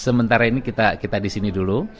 sementara ini kita disini dulu